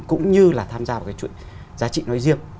cũng như là tham gia vào cái chuỗi giá trị nói riêng